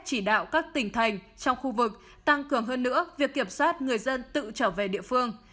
chỉ đạo các tỉnh thành trong khu vực tăng cường hơn nữa việc kiểm soát người dân tự trở về địa phương